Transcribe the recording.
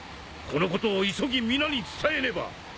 このことを急ぎ皆に伝えねば！